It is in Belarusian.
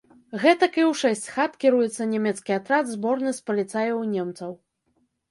Гэтак і ў шэсць хат кіруецца нямецкі атрад, зборны, з паліцаяў і немцаў.